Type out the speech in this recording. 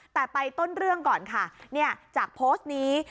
แต่ไปต้นเรื่องก่อนค่ะจากโพสต์นี้